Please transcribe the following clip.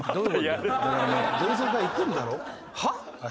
同窓会行くんだろ？はあ？